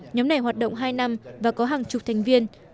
nhóm này hoạt động hai năm và có hàng chục thành viên